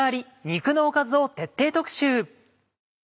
肉のおかず」を徹底特集。